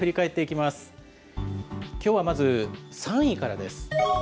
きょうはまず、３位からです。